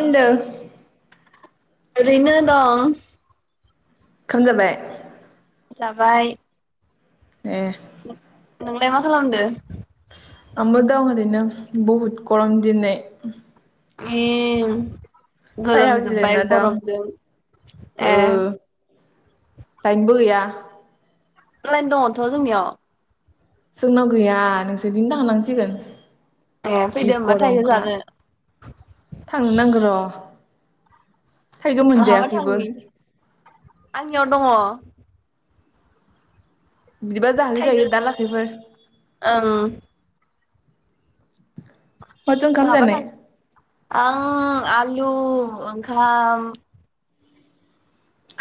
उनदो ओरैनो दं खांजाबाय जाबाय ए नोंलाय मा खालामदो आंबो दं ओरैनो बहुद गरम दिनै इं सायायाव गोलोमजोबबाय जिरायना दं गरमजों ओ ए लाइनबो गैया लाइन दङथ जोंनियाव जोंनाव गैया नोंसिथिं दांनासिगोन ए जि फैदो होमबा थाइजौ गरमखा जानो थांनो नांगौ र' थाइजौ बहाबा मोनजायाखैबो थांनि आंनियाव दङ बिदिबा थाइजौ जाहैजायो दा लाखैफोर ओं माजं खामजानाय? उम आलु ओंखाम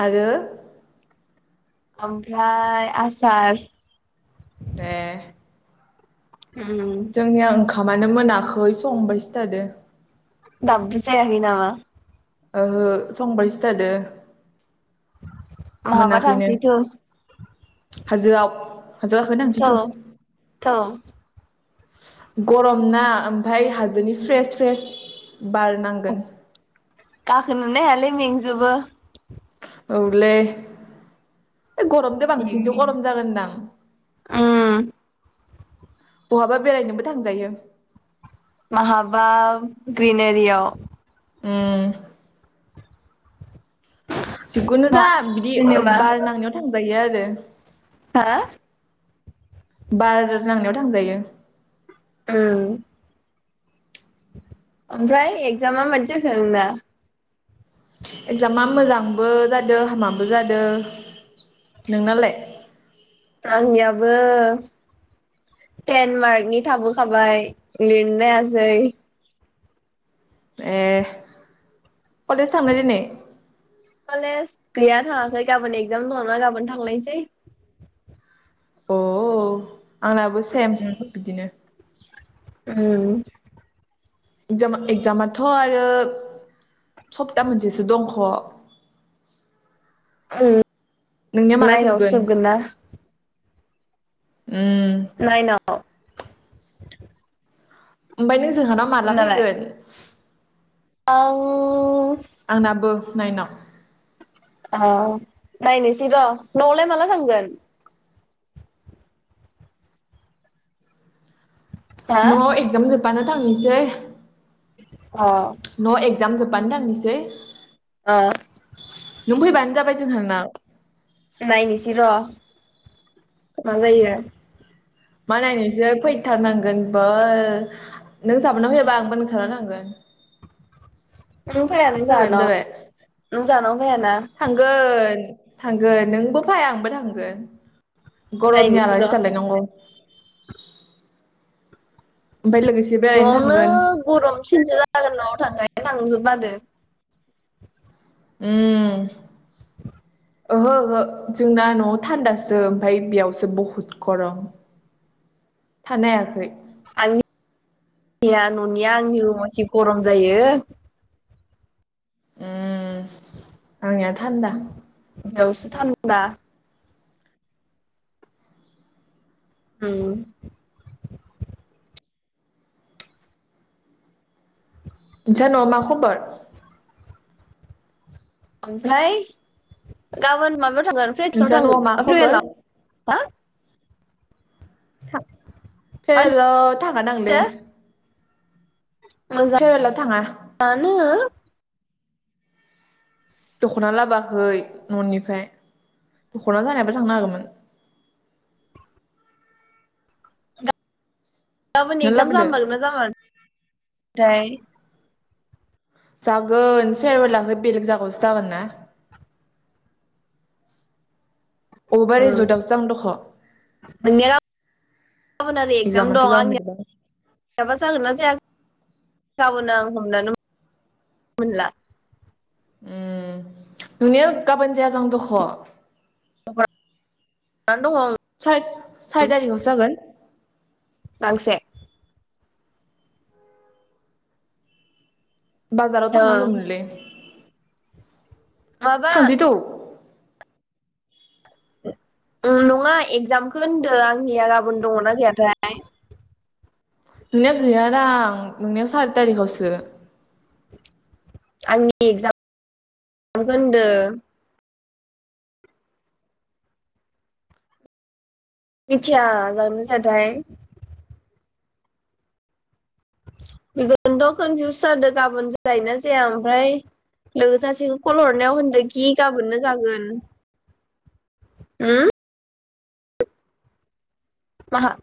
आरो ओमफ्राय आसार ए उम खामानो मोनाखै संबायसो थादों दाबो जायाखै नामा? ओहो संबायसो थादो। बहाबा मोनाखैनो थांसै थौ हाजोआव हाजो गाखोनो थांसै थौ थौ गरम ना ओमफाराय हाजोनि फ्रेस फ्रेस बार नांगोन [inaudible] गाखोनोनो हायालै मेंज जोबो औलै ओ गरमदो बांसिनसो गरम जागोनदां उम बहाबा बेरायनोबो थांजायो माहाबा ग्रिनारियाव उम जिखुनो मा जा बिदि ओ जेनेबा बार नांनायाव थांजायो आर रो हो बार नांनायाव थांजायो। उम। ओमफ्राय एक्जामा मादि जाखो नोंना? एगजामा मोजांबो जादो हामाबो जादो। नोंनालाय? आंनियाबो टेन मार्कनि थाबोखाबाय लिरनो हायासै। ए कलेज थांनाय दिनै? कलेज गैया थाङाखै गाबोन एक्जाम दङ ना गाबोन थांलायसै। अ। आंनाबो सेम बिदिनो। उम। एगजाम एगजामाथ' आरो सप्ता मोनसेसो दंख'। नोंनिया माला नायेनावसो जोबगोन ना। उम नायेनाव। ओमफाय नों जोंहानाव माला फैगोन? औ आंनाबो नाइनाव अ नायनोसै र'। न'आवलाय माला थांगोन? हा न'वाव एगजाम जो ब्बानो थांसै। [unintelligible] अ। जाम जोब्बानो थांनिसै। अ नों फैयबानो जाबाय जोंहानाव। नायनोसै र' मा जायो। मा नायनोसो फैथारनांगोन बा नों साबा फैबा आंबो नोंसानाव थांगोन। नों फायालै फैबानो जोहानाव जाबाय नों जानाव फायाना। थांगोन थांगोन नोंबो फाय आंबो थांगोन। गरमनि नायनोसै र' आलासि जालायनांगौ। ओमफ्राय लोगोसे बेरायनो न'आवनो थांगोन गरमसिनसो जागोन न'आव थांखाय थांनोसो बादो। उम। [unintelligible] ओहो ओहो जोंना न'आव थान्दासो ओमफाय बियावसो बहुद गरम थानो हायाखै। आंनि [unintelligible] या न'निया आंनि रुमा जि गरम जायो। उम आंनिया थान्दा। बेयावसो थान्दा। उम। नोंसा न'वाव मा खबर? ओमफ्राय गाबोन माबा नोंसा न'आव मा खबर [inaudible] हा? थां मा होनदो फेरवेला थाखा नांदों मोजां थाङा [unintelligible] जानो दखना लाबोवाखै न'निफ्राय दखना जानायबा थांनो हागोमोन। गाबोन नों एगजाम लाबोदो जामारगोनना जामा थाय जागोन फेरवेलाबो बेलेग जागायावसो जागोन ना अबेबा ओ रिजर्टआवसो जागोन दख' नोंनिया गाबोन आरो एगजाम एगजामानोथ' दं जागोन बिदिबा आंनियाबा जागोन ना जाया? गाबोन आं हमनानै [unintelligible] मोनला उम [unintelligible] गाबोन जायाजां दख फरायनानै दङ आं साद सारि थारिख आवसो जागोन। गांसे बाजाराव ओं थांनांगौमोनलै। माबा थामजिद नंङा एगजामखौ होनदों आंनिया गाबोन दंङना गैयाथाय? नोंनिया गैयाादां नोंनियाव सारि थारिखआवसो। आंनि एगजामखो होनदों। मिथिया जागोना जायाथाय। बेखौनोथ कनफिउस जादों गाबोन जायोना जाया ओमफ्राय लोगो सासेखौ कल हरनायाव होनदोखि गाबोननो जागोन होम। माहा